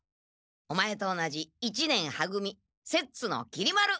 お前と同じ一年は組摂津のきり丸。